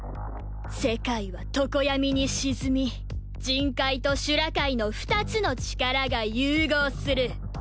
世界は常闇に沈み人界と修羅界の二つの力が融合する。